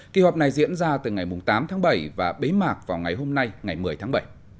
kỳ họp này diễn ra từ ngày tám tháng bảy và bế mạc vào ngày hôm nay ngày một mươi tháng bảy